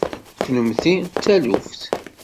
Kennemti d taluft.